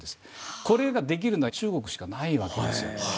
これができるのは中国しかないわけですよ。